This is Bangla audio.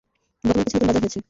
বর্তমানে কিছু নতুন বাজার হয়েছে।